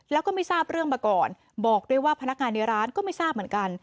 แล้วก็ไม่ทราบเรื่องมาก่อนบอกด้วยว่าพนักงานในร้านก็ไม่ทราบเหมือนกัน